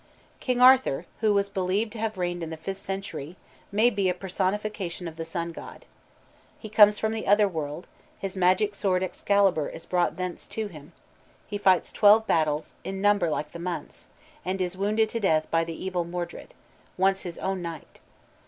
King Arthur, who was believed to have reigned in the fifth century, may be a personification of the sun god. He comes from the Otherworld, his magic sword Excalibur is brought thence to him, he fights twelve battles, in number like the months, and is wounded to death by evil Modred, once his own knight.